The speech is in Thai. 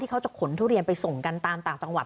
เขาจะขนทุเรียนไปส่งกันตามต่างจังหวัด